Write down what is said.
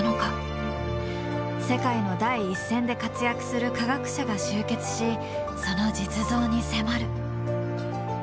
世界の第一線で活躍する科学者が集結しその実像に迫る。